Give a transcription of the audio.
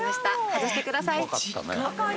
外してください